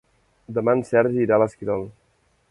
Demà en Sergi irà a l'Esquirol.